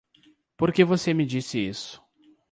Por que você me disse isso?